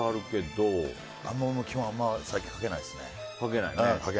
僕もあんま基本最近はかけないですね。